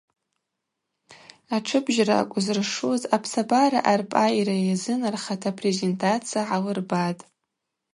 Атшыбжьара акӏвзыршуз апсабара арпӏайра йазынархата презентация гӏалырбатӏ.